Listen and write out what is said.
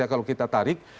kalau kita tarik